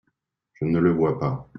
Je ne le vois pas.